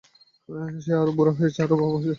সে আরও বুড়া হইয়াছে, আরও বাবু হইয়াছে।